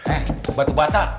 eh batu bata